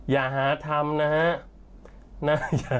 อย่าหาธรรมนะฮะ